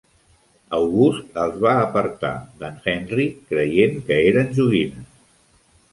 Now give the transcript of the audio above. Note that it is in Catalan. August els va apartar de"n Henry, creient que eren joguines.